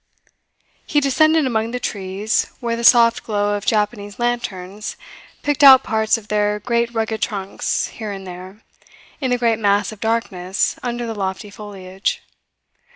He descended among the trees, where the soft glow of Japanese lanterns picked out parts of their great rugged trunks, here and there, in the great mass of darkness under the lofty foliage.